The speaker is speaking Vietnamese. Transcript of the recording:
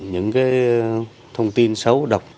những thông tin xấu độc